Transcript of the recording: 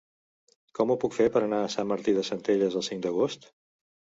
Com ho puc fer per anar a Sant Martí de Centelles el cinc d'agost?